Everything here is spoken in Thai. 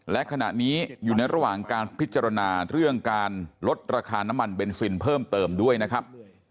และขณะนี้อยู่ในระหว่างการพิจารณาเรื่องการลดราคาน้ำมันเบนซินเพิ่มเติมด้วยนะครับ